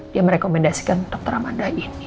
dia merekomendasikan dokter amanda ini